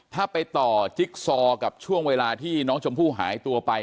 ถ้าไปต่อจิ๊กซอกับช่วงเวลาที่น้องชมพู่หายตัวไป